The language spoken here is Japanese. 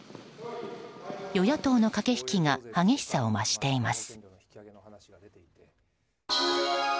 与野党の駆け引きが激しさを増しています。